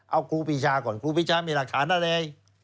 เอาครูปีชาก่อนครูปีชามีหลักฐานอะไร